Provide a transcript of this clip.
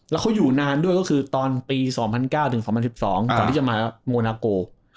แล้วเขาอยู่นานด้วยก็คือตอนปี๒๐๐๙ถึง๒๐๑๒ก่อนที่จะมาโมนาโก